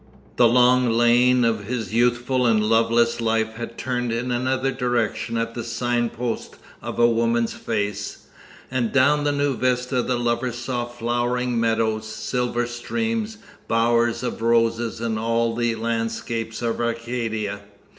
The long lane of his youthful and loveless life had turned in another direction at the signpost of a woman's face, and down the new vista the lover saw flowering meadows, silver streams, bowers of roses, and all the landscape of Arcadia.